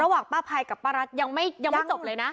ระหว่างป้าพัยกับป้ารัฐยังไม่ยังไม่จบเลยนะ